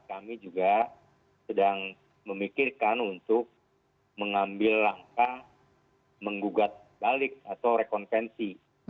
kami juga sedang memikirkan untuk mengambil langkah menggugat balik atau rekonstensi